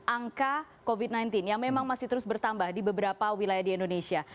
angka covid sembilan belas yang memang masih terus bertambah di beberapa wilayah di indonesia